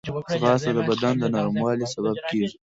ځغاسته د بدن د نرموالي سبب کېږي